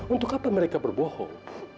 untuk apa mereka berbohong